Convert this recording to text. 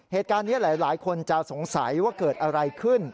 เหตุการณ์นี้หลายคนจะสงสัยว่าเกิดอะไรขึ้น